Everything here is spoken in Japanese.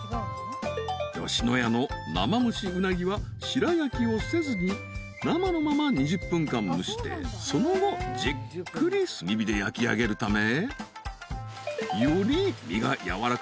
［芳野屋の生蒸し鰻は白焼きをせずに生のまま２０分間蒸してその後じっくり炭火で焼きあげるため］